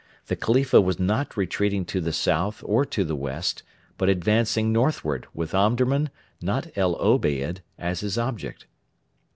The Khalifa was not retreating to the south or to the west, but advancing northward with Omdurman, not El Obeid, as his object.